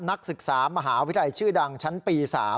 นักศึกษามหาวิทยาลัยชื่อดังชั้นปี๓